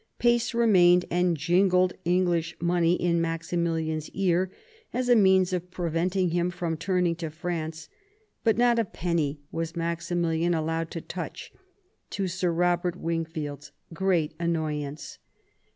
Pace remained, and jingled English money in Maximilian's ear, as a means of preventing him from turning to France ; but not a penny was Maximilian allowed to touch, to Sir Eobert Wingfield's great annoyance.